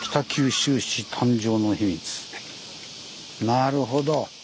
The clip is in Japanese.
なるほど。